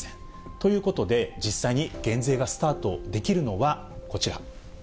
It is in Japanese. ということで、実際に減税がスタートできるのは、こちら。